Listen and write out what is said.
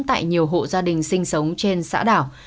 tại nhiều hộ gia đình sinh sống trên xã đảo